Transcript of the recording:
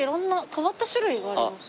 変わった種類があります。